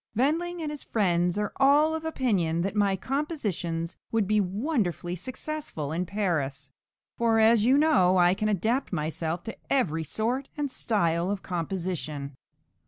Wendling and his friends are all of opinion that my compositions would be wonderfully successful in Paris; for, as you know, I can adapt myself to every sort and style of composition."